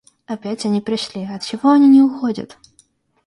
Опять они пришли, отчего они не уходят?..